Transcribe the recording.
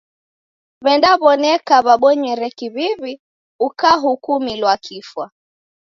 W'endaw'oneka wabonyere kiw'iw'i ukahukumilwa kifwa.